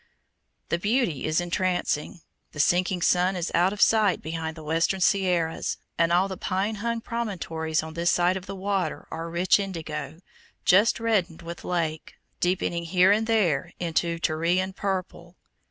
The beauty is entrancing. The sinking sun is out of sight behind the western Sierras, and all the pine hung promontories on this side of the water are rich indigo, just reddened with lake, deepening here and there into Tyrian purple.